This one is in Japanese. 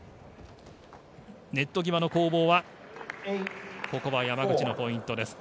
ネット際の攻防はここは山口のポイントです。